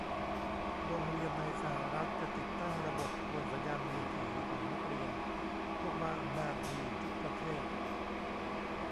โรงเรียนในสหรัฐ จะติดตั้งระบบกวนสัญญาณมือถือของนักเรียน พวกบ้าอำนาจมีอยู่ทุกประเทศ